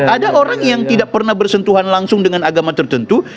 ada orang yang tidak pernah bersentuhan langsung dengan agama tertentu